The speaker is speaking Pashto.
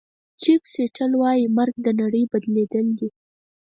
چیف سیټل وایي مرګ د نړۍ بدلېدل دي.